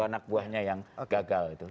anak buahnya yang gagal itu